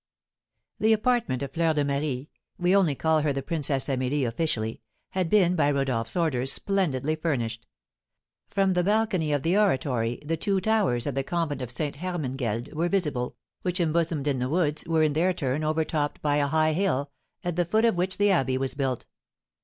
The apartment of Fleur de Marie (we only call her the Princess Amelie officially) had been by Rodolph's orders splendidly furnished. From the balcony of the oratory the two towers of the Convent of Ste. Hermangeld were visible, which, embosomed in the woods, were in their turn overtopped by a high hill, at the foot of which the abbey was built.